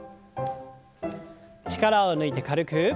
力を抜いて軽く。